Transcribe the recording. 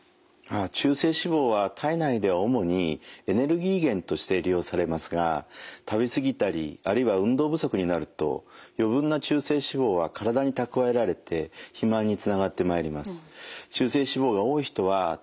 中性脂肪は体内では主にエネルギー源として利用されますが食べ過ぎたりあるいは運動不足になると余分な中性脂肪は体に蓄えられて肥満につながってまいります。